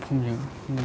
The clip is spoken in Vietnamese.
không em không nhớ